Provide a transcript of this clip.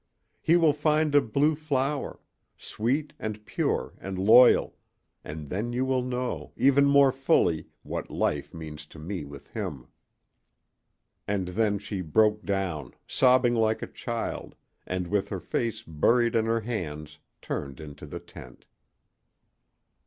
You will find a blue flower sweet and pure and loyal and then you will know, even more fully, what life means to me with him." And then she broke down, sobbing like a child, and with her face buried in her hands turned into the tent.